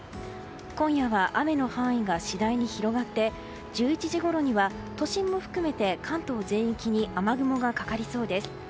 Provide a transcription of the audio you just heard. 今夜は雨の範囲が次第に広がって１１時ごろには都心も含めて関東全域に雨雲がかかりそうです。